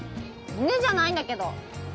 犬じゃないんだけど！